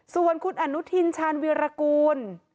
ส่วนคุณอนุทินชาญวีรกูล